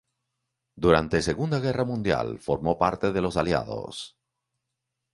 Durante Segunda Guerra mundial formó parte de los aliados.